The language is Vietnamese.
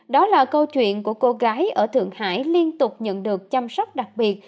đó là câu chuyện của cô gái ở thượng hải liên tục nhận được chăm sóc đặc biệt